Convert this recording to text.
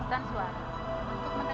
kadang tadi rush approve yang itu